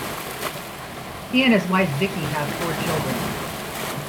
He and his wife Vicky have four children.